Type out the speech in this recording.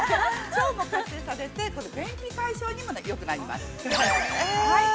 ◆腸も活性されて便秘解消にもよくなります。